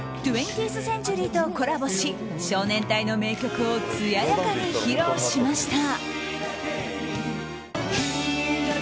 ２０ｔｈＣｅｎｔｕｒｙとコラボし少年隊の名曲をつややかに披露しました。